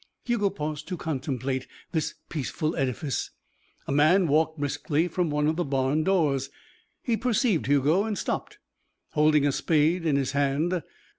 Hugo paused to contemplate this peaceful edifice. A man walked briskly from one of the barn doors. He perceived Hugo and stopped, holding a spade in his hand.